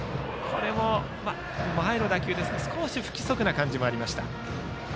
今の打球ですが少し不規則な感じもありました。